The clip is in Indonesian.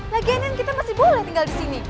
lagian yang kita masih boleh tinggal disini